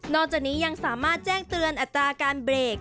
จากนี้ยังสามารถแจ้งเตือนอัตราการเบรก